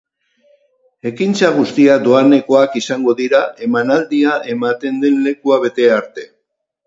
Ekintza guztiak doanekoak izango dira, emanaldia ematen den lekua bete arte.